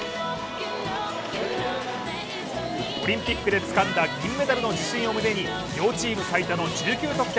オリンピックでつかんだ銀メダルの自信を胸に、両チーム最多の１９得点。